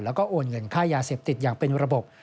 แล้วก็โอนเงินค่ายาเสพติดอย่างเป็นระบบ